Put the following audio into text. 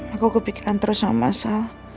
aku kepikiran terus sama mas al